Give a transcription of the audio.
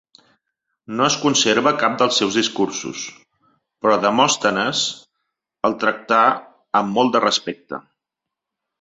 No es conserva cap dels seus discursos, però Demòstenes el tractà amb molt de respecte.